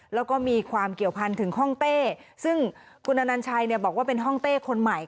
แล้วก็มีความเกี่ยวพันธ์ถึงห้องเต้ซึ่งคุณอนัญชัยบอกว่าเป็นห้องเต้คนใหม่